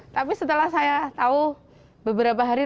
tapi setelah saya tahu beberapa hari